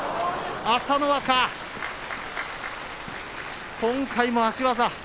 朝乃若、今回も足技。